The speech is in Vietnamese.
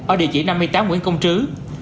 ở địa chỉ năm mươi tám nguyễn công trịnh